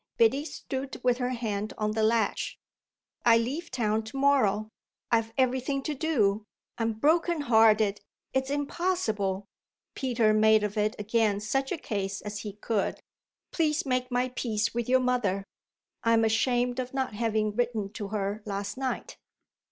Biddy stood with her hand on the latch. "I leave town to morrow: I've everything to do; I'm broken hearted; it's impossible" Peter made of it again such a case as he could. "Please make my peace with your mother I'm ashamed of not having written to her last night."